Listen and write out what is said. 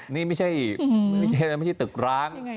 นี่ไม่ใช่ตึกร้าง